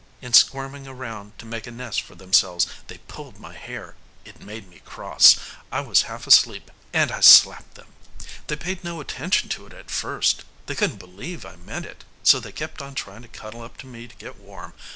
In squirming around to make a nest for themselves they pulled my hair. It made me cross. I was half asleep and I slapped them. "They paid no attention to it at first they couldn't believe I meant it, so they kept on trying to cuddle up to me to get warm.